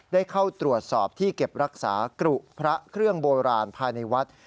ได้เข้าตรวจสอบที่เก็บรักษากรุพระเครื่องโบราณภายในวัด